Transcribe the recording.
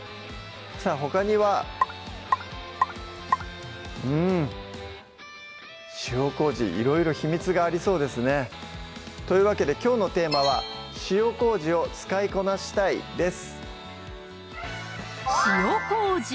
さぁほかにはうん塩麹いろいろ秘密がありそうですねというわけできょうのテーマは「塩麹を使いこなしたい！」です